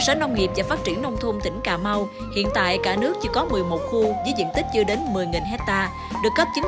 các doanh nghiệp đã tăng chuỗi giá trị trên cùng diện tích đất lâm phần